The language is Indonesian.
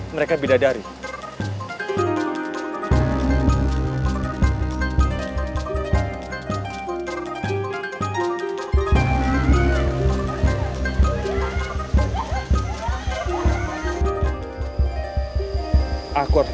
mereka sudah berhasil menangkap mereka